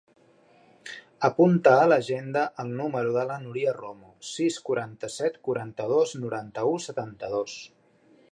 Apunta a l'agenda el número de la Núria Romo: sis, quaranta-set, quaranta-dos, noranta-u, setanta-dos.